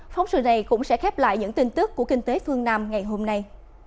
phóng sự này cũng sẽ khép lại những tin tức của kinh tế phương nam ngày hôm nay